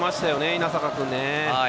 稲坂君ね。